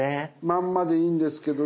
まんまでいいんですけど。